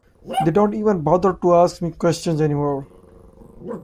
They don't even bother to ask me questions any more.